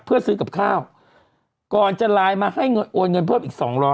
เพื่อซื้อกับข้าวก่อนจะไลน์มาให้เงินโอนเงินเพิ่มอีก๒๐๐